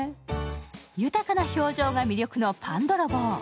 豊かな表情が魅力のパンどろぼう。